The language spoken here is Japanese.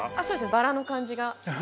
バラの感じが。